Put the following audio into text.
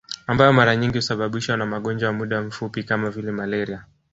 Ambayo mara nyingi husababishwa na magonjwa ya muda mfupi kama vile malaria